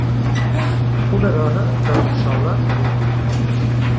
Una dona dorm sola en un llit.